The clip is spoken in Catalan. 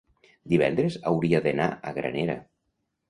divendres hauria d'anar a Granera.